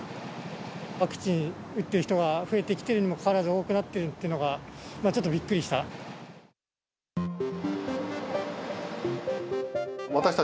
ワクチン打っている人が増えてきているにもかかわらず多くなってるっていうのが、ちょっとびっくりした。